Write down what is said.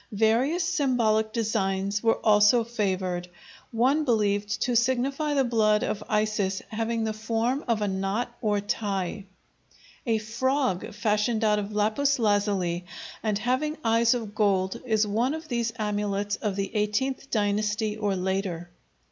Various symbolic designs were also favored, one believed to signify the blood of Isis having the form of a knot or tie. A frog fashioned out of lapis lazuli and having eyes of gold is one of these amulets of the XVIII dynasty or later.